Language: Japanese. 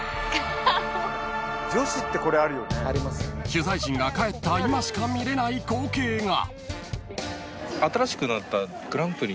［取材陣が帰った今しか見れない光景が］